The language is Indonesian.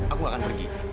aku nggak akan pergi